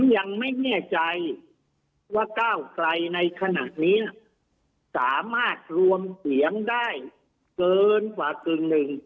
ยังไม่แน่ใจว่าก้าวไกลในขณะนี้สามารถรวมเสียงได้เกินกว่ากึ่งหนึ่ง